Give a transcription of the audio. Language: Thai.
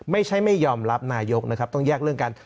ไม่ใช่ไม่ยอมรับนายกต้องแยกเรื่องการ